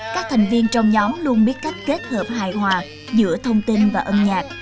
các thành viên trong nhóm luôn biết cách kết hợp hài hòa giữa thông tin và âm nhạc